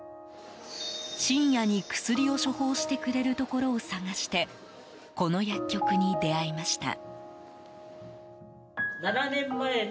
深夜に薬を処方してくれるところを探してこの薬局に出会いました。